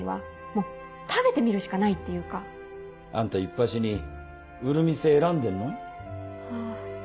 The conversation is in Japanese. もう食べてみるしかないっていうかあんたいっぱしに売る店選んでんあ